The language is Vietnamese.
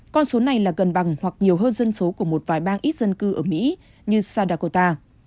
con số này là gần bằng hoặc nhiều hơn dân số của một vài bang ít dân cư ở mỹ như sadakota